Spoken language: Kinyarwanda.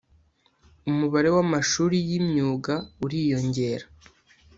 - umubare w‟amashuri y‟imyuga uriyongera.